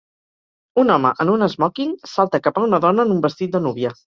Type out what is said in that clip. Un home en un esmòquing salta cap a una dona en un vestit de núvia.